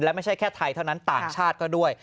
และไม่ใช่แค่ไทยเท่านั้นต่างชาติก็ด้วย